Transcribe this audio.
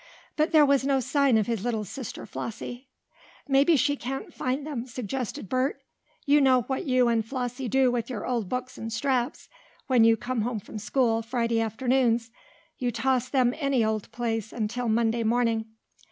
But there was no sign of his little sister Flossie. "Maybe she can't find them," suggested Bert. "You know what you and Flossie do with your books and straps, when you come home from school Friday afternoons you toss them any old place until Monday morning."